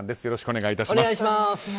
よろしくお願いします。